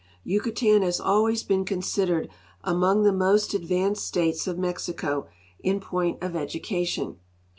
Yucatan has always been considered among the most advanced states ■of IMexico in point of education.